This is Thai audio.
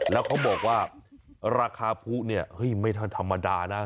แล้วเขาบอกว่าราคาผู้เนี่ยเฮ้ยไม่ธรรมดานะ